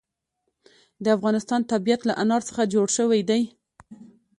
د افغانستان طبیعت له انار څخه جوړ شوی دی.